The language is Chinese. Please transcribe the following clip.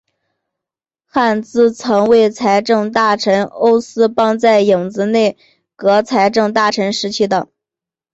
汉兹曾为财政大臣欧思邦在影子内阁财政大臣时期的。